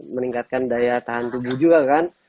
meningkatkan daya tahan tubuh juga kan